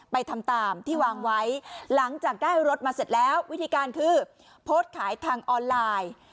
ไปทำตามที่วางไว้หลังจากได้รถมาเสร็จแล้ววิธีการคือโพสต์ขายทางออนไลน์